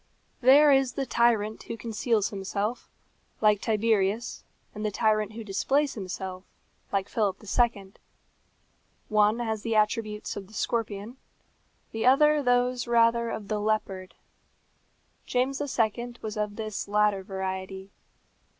There is the tyrant who conceals himself, like Tiberius; and the tyrant who displays himself, like Philip II. One has the attributes of the scorpion, the other those rather of the leopard. James II. was of this latter variety.